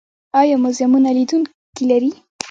آیا موزیمونه لیدونکي لري؟